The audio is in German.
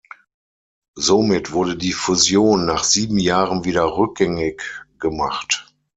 Somit wurde die Fusion nach sieben Jahren wieder rückgängig gemacht.